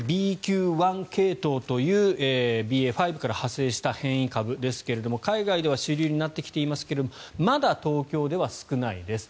ＢＱ．１系統というＢＡ．５から派生した変異株ですが海外では主流になってきていますがまだ東京では少ないです。